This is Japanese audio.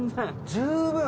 十分。